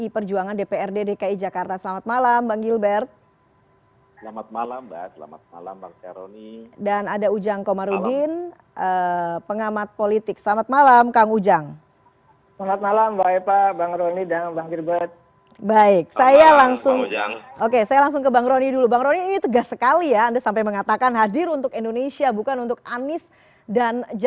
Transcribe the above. mengapa harus ditegaskan kalimat itu bang rony